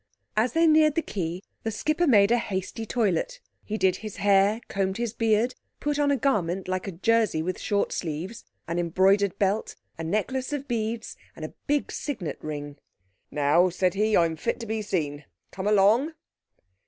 As they neared the quay the skipper made a hasty toilet. He did his hair, combed his beard, put on a garment like a jersey with short sleeves, an embroidered belt, a necklace of beads, and a big signet ring. "Now," said he, "I'm fit to be seen. Come along?"